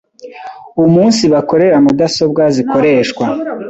umunsibakorera mudasobwa zikoreshwa